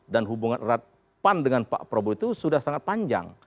dan hubungan rakyat pan dengan pak prabowo itu sudah sangat panjang